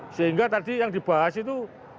sehingga tadi yang dibahas itu